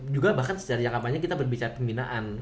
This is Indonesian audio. juga bahkan sejak apanya kita berbicara pembinaan